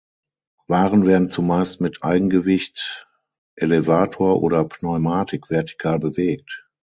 Waren werden zumeist mit Eigengewicht, Elevator oder Pneumatik vertikal bewegt.